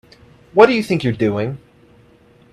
What do you think you're doing?